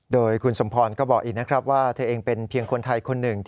โดยคุณสมพรก็บอกอีกนะครับว่าเธอเองเป็นเพียงคนไทยคนหนึ่ง